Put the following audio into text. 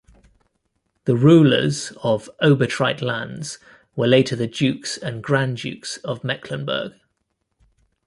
The rulers of Obotrite lands were later the Dukes and Grand Dukes of Mecklenburg.